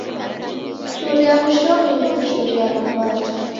Kuchuria w'ushomi ni kuchuria mapato.